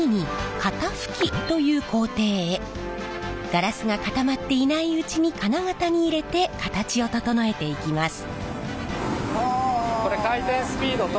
ガラスが固まっていないうちに金型に入れて形を整えていきます。